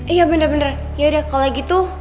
iya bener bener ya udah kalau gitu